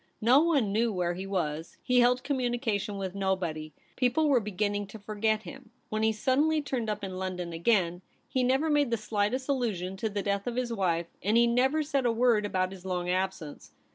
No one knew where he was ; he held communication with nobody. People were beginning to for get him, when he suddenly turned up in London again. He never made the slightest allusion to the death of his wife, and he never said a word about his long absence.